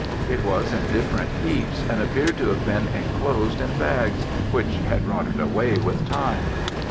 It was in different heaps, and appeared to have been enclosed in bags, which had rotted away with time.